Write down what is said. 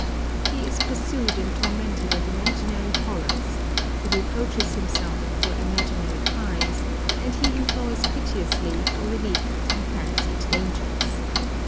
He is pursued and tormented of imaginary horrors, he reproaches himself for imaginary crimes, and he implores piteously for relief from fancied dangers.